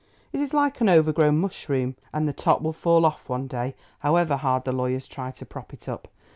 It is like an overgrown mushroom, and the top will fall off one day, however hard the lawyers try to prop it up.